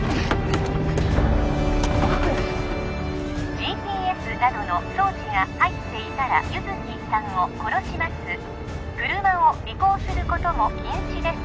ＧＰＳなどの装置が入っていたら優月さんを殺します車を尾行することも禁止です